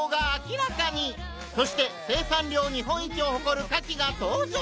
そして生産量日本一を誇る「カキ」が登場！